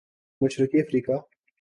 مشرقی افریقہ